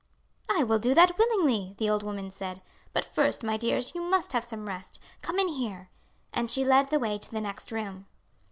"I will do that willingly," the old woman said; "but first, my dears, you must have some rest; come in here." And she led the way to the next room.